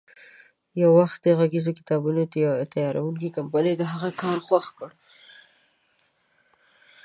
یو وخت د غږیزو کتابونو تیاروونکې کمپنۍ د هغې کار خوښ کړ.